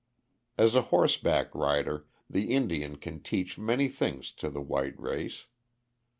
As a horseback rider the Indian can teach many things to the white race.